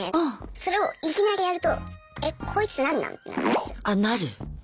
それをいきなりやると「えっこいつなんなん？」ってなるんですよ。